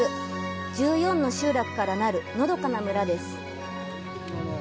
１４の集落から成る、のどかな村です。